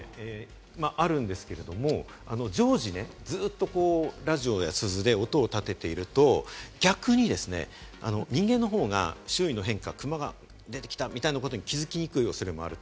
あるんですけれども、常時ずっとラジオや鈴で音を立てていると逆に人間の方が周囲の変化、クマが出てきたみたいなことに気づきにくい恐れもある。